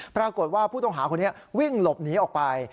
ปรากฏว่าผู้ต้องหาคนนี้วิ่งหลบหนีออกไป